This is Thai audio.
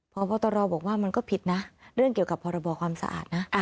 พบตรบอกว่ามันก็ผิดนะเรื่องเกี่ยวกับพรบความสะอาดนะ